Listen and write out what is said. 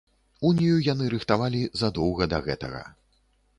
Унію яны рыхтавалі задоўга да гэтага.